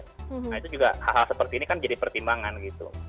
nah itu juga hal hal seperti ini kan jadi pertimbangan gitu